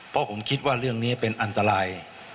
เพราะผมคิดว่าเรื่องนี้เป็นอันตราย